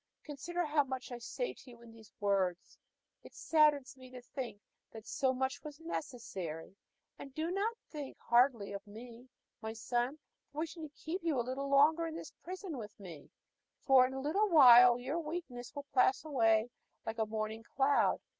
Consider how much I say to you in these words; it saddens me to think that so much was necessary. And do not think hardly of me, my son, for wishing to keep you a little longer in this prison with me: for in a little while your weakness will pass away like a morning cloud.